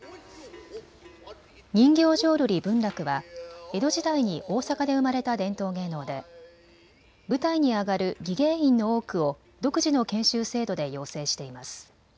人形浄瑠璃文楽は江戸時代に大阪で生まれた伝統芸能で舞台に上がる技芸員の多くを独自の研修制度で養成しています。